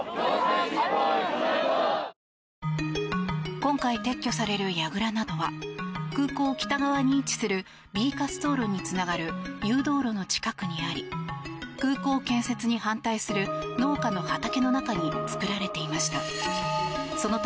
今回撤去されるやぐらなどは空港北側に位置するＢ滑走路につながる誘導路の近くにあり空港建設に反対する農家の畑の中に作られていました。